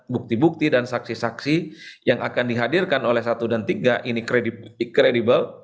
bukti bukti dan saksi saksi yang akan dihadirkan oleh satu dan tiga ini kredibel